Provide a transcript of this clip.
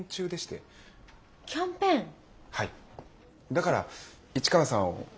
だから市川さんを。